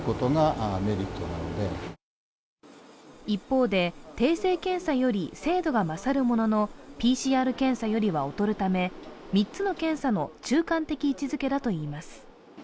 一方で、定性検査より精度は勝るものの、ＰＣＲ検査よりは劣るため３つの検査の中間的位置づけだといいます。